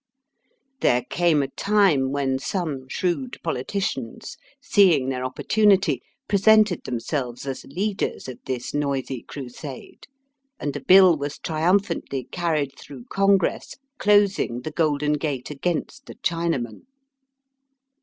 There came a time when some shrewd poUticians, seeing their opportunity, presented themselves as leaders of this noisy crusade, and a Bill was triumphantly carried through Congress closing the Golden Gate against the Chinaman.